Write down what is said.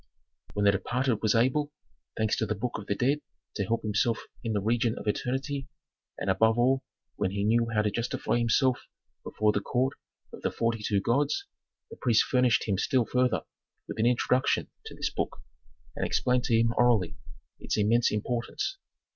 When the departed was able, thanks to the Book of the Dead to help himself in the region of eternity, and above all when he knew how to justify himself before the court of the forty two gods, the priests furnished him still further with an introduction to this book, and explained to him orally its immense importance.